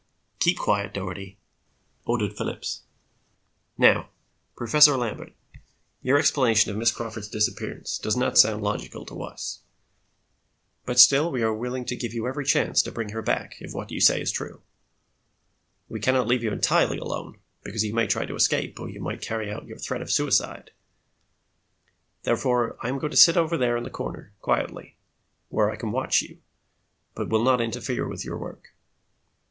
"Keep quiet, Doherty," ordered Phillips. "Now, Professor Lambert, your explanation of Miss Crawford's disappearance does not sound logical to us, but still we are willing to give you every chance to bring her back, if what you say is true. We cannot leave you entirely alone, because you might try to escape or you might carry out your threat of suicide. Therefore, I am going to sit over there in the corner, quietly, where I can watch you but will not interfere with your work.